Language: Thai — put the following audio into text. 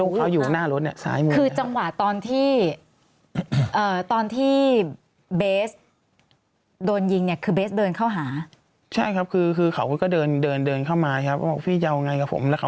เขาจังหวะตอนเกิดเห็นนะคะ